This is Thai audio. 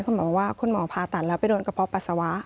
คุณหมอบอกว่าคุณหมอผ่าตัดแล้วไปโดนกระเพาะปัสสาวะ